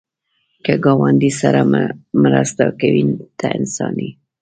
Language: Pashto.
که ګاونډي سره مرسته کوې، ته انسان یې